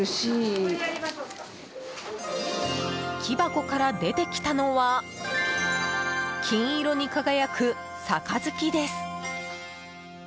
木箱から出てきたのは金色に輝く杯です。